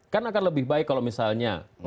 kan akan lebih baik kalau misalnya